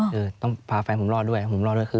คือต้องพาแฟนผมรอดด้วยผมรอดด้วยคือ